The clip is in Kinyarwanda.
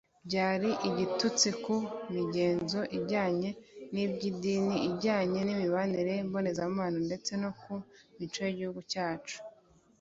byari igitutsi ku migenzo ijyanye n’iby’idini, ijyanye n’imibanire mbonezamubano ndetse no ku mico y’igihugu cyose